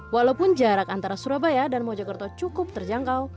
walaupun jarak antara surabaya dan mojokerto cukup terjangkau